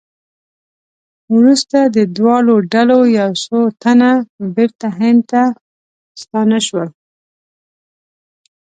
وروسته د دواړو ډلو یو څو تنه بېرته هند ته ستانه شول.